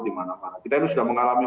dimana mana kita itu sudah mengalami